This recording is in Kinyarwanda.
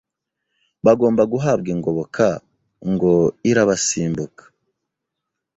bagomba guhabwa ingoboka ngo irabasimbuka.”